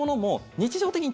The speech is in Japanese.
日常的に？